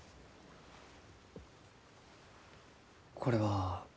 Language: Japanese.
これは？